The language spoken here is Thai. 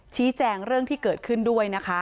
ชี้แจงเรื่องที่เกิดขึ้นด้วยนะคะ